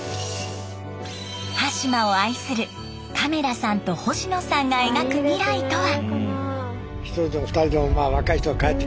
端島を愛する亀田さんと星野さんが描く未来とは？